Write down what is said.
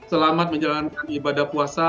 selamat menjalankan ibadah puasa